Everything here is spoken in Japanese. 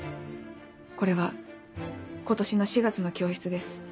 これは今年の４月の教室です。